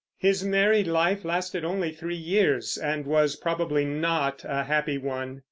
His married life lasted only three years, and was probably not a happy one.